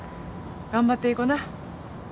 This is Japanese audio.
頑張っていこな。